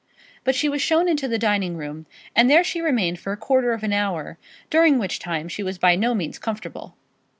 But she was shown into the dining room, and there she remained for a quarter of an hour, during which time she was by no means comfortable.